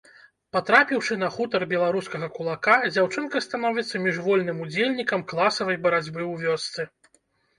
Патрапіўшы на хутар беларускага кулака, дзяўчынка становіцца міжвольным удзельнікам класавай барацьбы ў вёсцы.